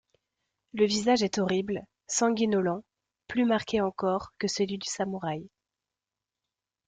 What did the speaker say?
Le visage est horrible, sanguinolent, plus marqué encore que celui du samurai.